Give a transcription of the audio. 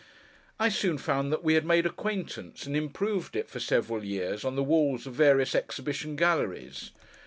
I soon found that we had made acquaintance, and improved it, for several years, on the walls of various Exhibition Galleries.